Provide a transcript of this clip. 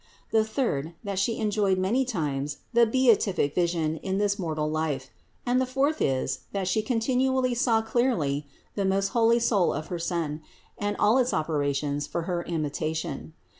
The third, that She enjoyed many times the beatific vision in this mortal life, and the fourth is that She continually saw clearly the most holy soul of her Son and all its operations for her imitation.